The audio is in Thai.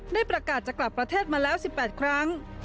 ได้ประกาศจะกลับประเทศมาแล้ว๑๘ครั้ง